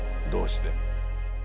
どうして？